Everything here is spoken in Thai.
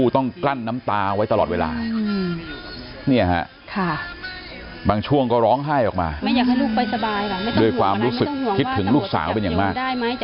ต้องกั้นน้ำตาไว้ตลอดเวลาเนี่ยบังช่วงก็ร้องไห้ออกมาด้วยความรู้ถึงลูกสาวเป็นอย่างมาย